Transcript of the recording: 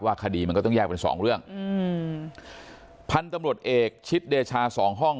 คดีมันก็ต้องแยกเป็นสองเรื่องอืมพันธุ์ตำรวจเอกชิดเดชาสองห้อง